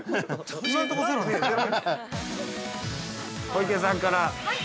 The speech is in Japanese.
◆小池さんから。